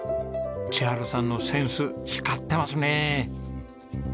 千春さんのセンス光ってますね。